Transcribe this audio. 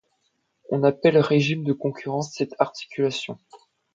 On appelle régime de concurrence cette articulation.